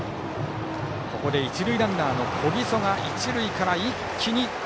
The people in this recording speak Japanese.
ここで一塁ランナーの小木曽が一塁から一気に。